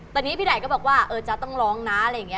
ตอนนี้พี่ไดก็บอกว่าเออจ๊ะต้องร้องนะอะไรอย่างนี้